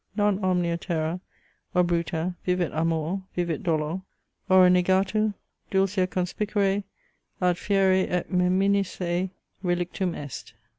Non omnia terra Obruta; vivit amor, vivit dolor; ora negatur Dulcia conspicere; at fiere et meminisse relictum est.